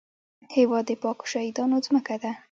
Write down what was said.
هېواد د پاکو شهیدانو ځمکه ده